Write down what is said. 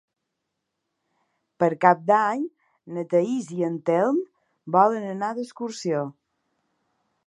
Per Cap d'Any na Thaís i en Telm volen anar d'excursió.